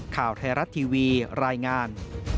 ข่าวไทยรัฐทีวีรายงาน